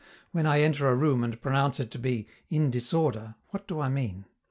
When I enter a room and pronounce it to be "in disorder," what do I mean?